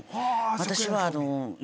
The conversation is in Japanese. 私は。